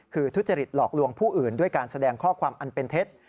คือทุจริตหลอกลวงผู้อื่นด้วยการแสดงข้อความอันเป็นเท็จ